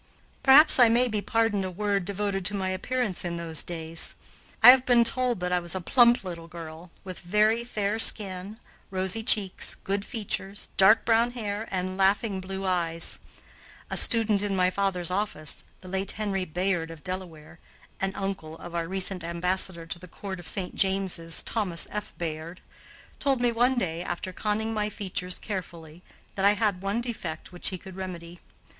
Perhaps I may be pardoned a word devoted to my appearance in those days. I have been told that I was a plump little girl, with very fair skin, rosy cheeks, good features, dark brown hair, and laughing blue eyes. A student in my father's office, the late Henry Bayard of Delaware (an uncle of our recent Ambassador to the Court of St. James's, Thomas F. Bayard), told me one day, after conning my features carefully, that I had one defect which he could remedy.